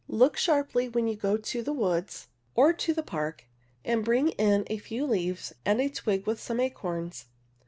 Look sharply when you go to the woods or to the park, and bring in a few leaves and a twig with some acorns.